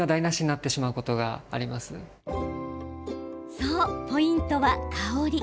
そう、ポイントは香り。